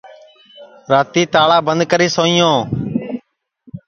راتی تاݪا بند کری سوئیں